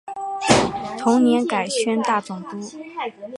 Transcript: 同年改宣大总督。